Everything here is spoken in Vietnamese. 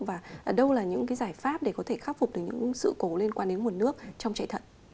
và đâu là những cái giải pháp để có thể khắc phục được những sự cố liên quan đến nguồn nước trong chạy thận